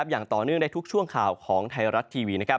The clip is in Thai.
อย่างต่อเนื่องได้ทุกช่วงข่าวของไทยรัฐทีวี